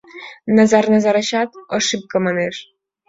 Назар Назарычат «ошибка» манеш.